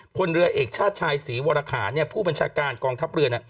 พลเรือเอกชาติชายศรีวรคารผู้บัญชาการกองทัพเรือ